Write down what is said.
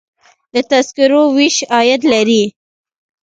د تذکرو ویش عاید لري